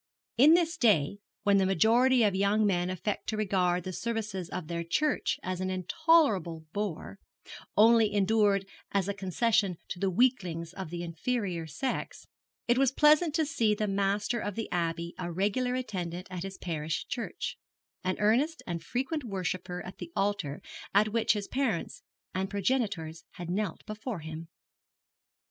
In this day, when the majority of young men affect to regard the services of their church as an intolerable bore, only endured as a concession to the weaklings of the inferior sex, it was pleasant to see the master of the Abbey a regular attendant at his parish church, an earnest and frequent worshipper at the altar at which his parents and progenitors had knelt before him.